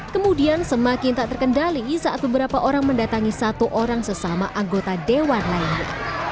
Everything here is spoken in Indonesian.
kemudian semakin tak terkendali saat beberapa orang mendatangi satu orang sesama anggota dewan lainnya